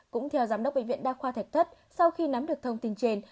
cũng theo giám đốc bệnh viện đa khoa thạch thất sau khi nắm được thông tin trên